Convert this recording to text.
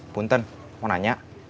bunten mau nanya